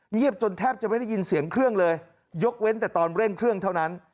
จนแทบจะไม่ได้ยินเสียงเครื่องเลยยกเว้นแต่ตอนเร่งเครื่องเท่านั้น